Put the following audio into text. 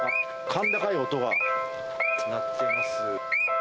甲高い音が鳴っています。